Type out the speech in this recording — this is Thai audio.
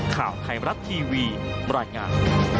ข่าวไทยมรัฐทีวีบรรยายงาน